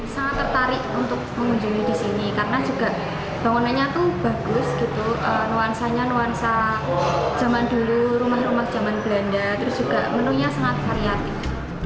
sangat tertarik untuk mengunjungi di sini karena juga bangunannya tuh bagus gitu nuansanya nuansa zaman dulu rumah rumah zaman belanda terus juga menunya sangat variatif